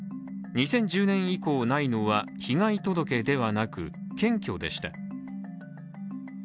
２０１０年以降ないのは被害届ではなく、検挙でした。